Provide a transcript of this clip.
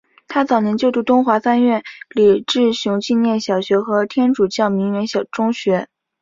他早年就读东华三院李志雄纪念小学和天主教鸣远中学。